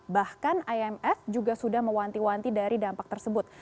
bahkan imf juga sudah mewanti wanti dari dampak tersebut